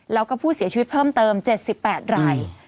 แล้วก็ผู้เสียชีวิตเพิ่มเติม๗๘ราย